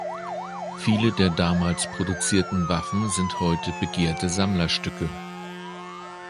Viele der damals Zeit produzierten Waffen sind heute begehrte Sammlerstücke.